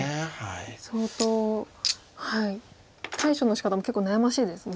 相当対処のしかたも結構悩ましいですね。